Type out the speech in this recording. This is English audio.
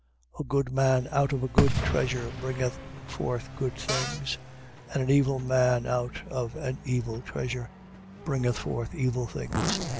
12:35. A good man out of a good treasure bringeth forth good things: and an evil man out of an evil treasure bringeth forth evil things.